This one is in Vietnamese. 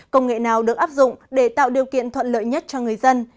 công nghệ nào được áp dụng để tạo điều kiện thuận lợi nhất cho người dân